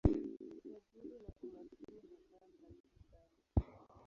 Utajiri na umaskini hukaa karibu sana.